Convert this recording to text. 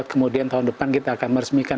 kemudian tahun depan kita akan meresmikan